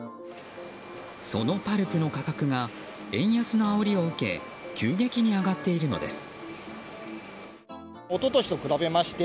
そのパルプの価格が円安のあおりを受け急激に上がっているのです。